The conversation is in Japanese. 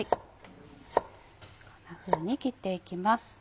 こんなふうに切っていきます。